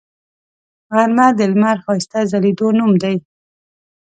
غرمه د لمر ښایسته ځلیدو نوم دی